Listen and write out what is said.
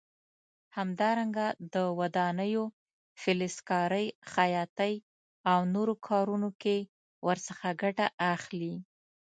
همدارنګه د ودانیو، فلزکارۍ، خیاطۍ او نورو کارونو کې ورڅخه ګټه اخلي.